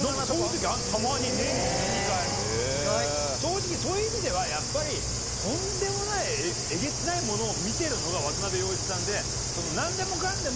正直そういう意味ではやっぱりとんでもないえげつないものを見てるのが渡部陽一さんで。